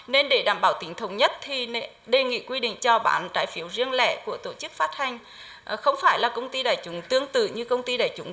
nên để đảm bảo tính thống nhất thì đề nghị quy định trào bán trái phiếu riêng lẻ của tổ chức phát hành không phải là công ty đại chúng tương tự như công ty đại chúng